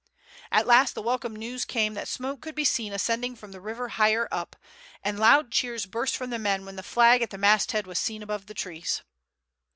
At last the welcome news came that smoke could be seen ascending from the river higher up, and loud cheers burst from the men when the flag at the masthead was seen above the trees.